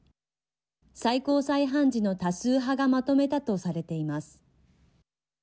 最高裁判事の多数派がまとめたとされています。